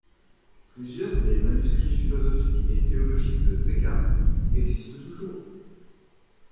Plusieurs des manuscrits philosophiques et théologiques de Peckham existent toujours.